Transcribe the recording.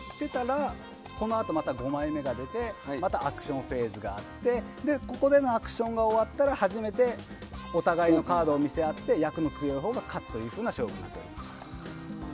このあとまた５枚目が出てまたアクションフェーズがあってここでのアクションが終わったらお互いのカードを見せ合って役が強いほうが勝つという勝負になっています。